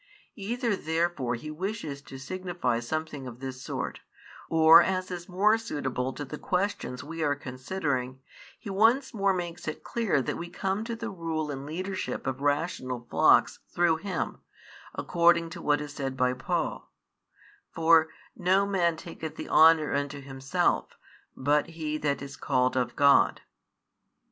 Either therefore He wishes to signify something of this sort, or, as is more suitable to the questions we are considering He once more makes it clear that we come to the rule and leadership of rational flocks through Him, according to what is said by Paul: For no man taketh the honour unto himself, but he that is called of God.